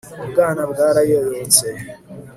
ubwana bwarayoyotse